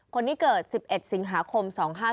คนที่เกิด๑๑สิงหาคม๒๕๕๙